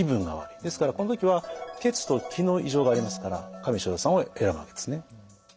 ですからこの時は血と気の異常がありますから加味逍遙散を選ぶわけですね。